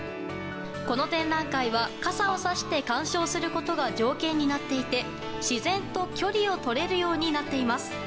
この展覧会は傘をさして鑑賞することが条件になっていて自然と距離をとれるようになっています。